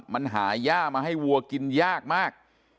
มันหาย่ามาให้วัวกินยากมาก